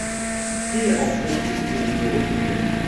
qui en profite pour me retourner.